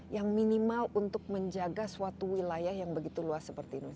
yang minimal untuk menjaga suatu wilayah yang begitu luas seperti indonesia